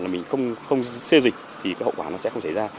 là mình không xê dịch thì cái hậu quả nó sẽ không xảy ra